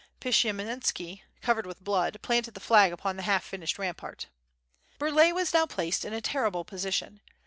Pshiyemski, covered with blood, planted the flag upon the half finished rampart. Burlay was now placed in a terrible position.